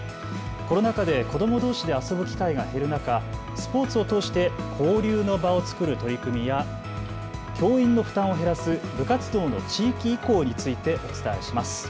コロナ禍で子どもどうしで遊ぶ機会が減る中、スポーツを通して交流の場を作る取り組みや教員の負担を減らす部活動の地域移行についてお伝えします。